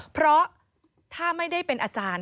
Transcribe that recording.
เพราะถ้าไม่ได้เป็นอาจารย์